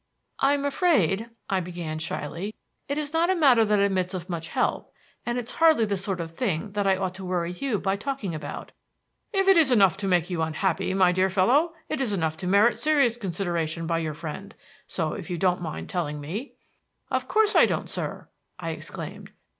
"I'm afraid," I began shyly, "it is not a matter that admits of much help, and it's hardly the sort of thing that I ought to worry you by talking about " "If it is enough to make you unhappy, my dear fellow, it is enough to merit serious consideration by your friend; so if you don't mind telling me " "Of course I don't, sir!" I exclaimed.